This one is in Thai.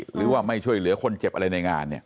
หรือว่าไม่ช่วยเหลือคนเจ็บอะไรในงานเนี่ย